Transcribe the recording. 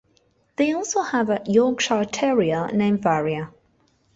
They also have a Yorkshire Terrier named Varia.